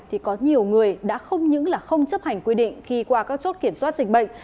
thì có nhiều người đã không những là không chấp hành quy định khi qua các chốt kiểm soát dịch bệnh